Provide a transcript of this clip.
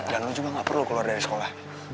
dan lo juga gak perlu keluar dari sekolah